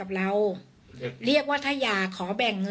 ทรัพย์สินที่เป็นของฝ่ายหญิง